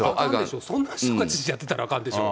そんな人が知事やってたらあかんでしょう。